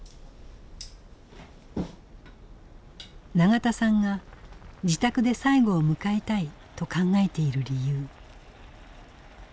永田さんが自宅で最期を迎えたいと考えている理由。